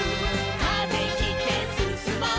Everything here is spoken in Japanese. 「風切ってすすもう」